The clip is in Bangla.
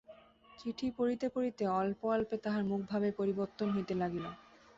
চিঠি পড়িতে পড়িতে অল্পে অল্পে তাঁহার মুখভাবের পরিবর্তন হইতে লাগিল।